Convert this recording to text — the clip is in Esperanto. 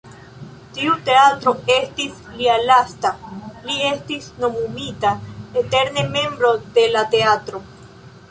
Tiu teatro estis lia lasta, li estis nomumita "eterne membro de la teatro".